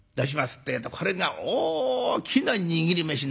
ってえとこれが大きな握り飯でもって。